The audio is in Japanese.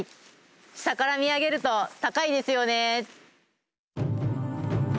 下から見上げると高いですよね。